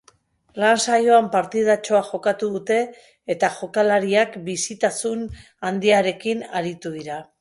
Lan-saioan partidatxoa jokatu dute, eta jokalariak bizitasun handiarekin aritu dira.